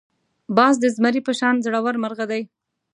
باز د زمري په شان زړور مرغه دی